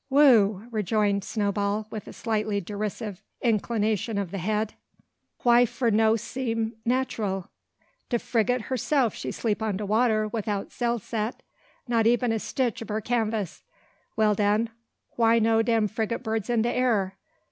"Whoo!" rejoined Snowball, with a slightly derisive inclination of the head; "why for no seem nat'ral? De frigate hersef she sleep on de water widout sails set, not eben a stitch ob her canvas. Well, den: why no dem frigate birds in de air?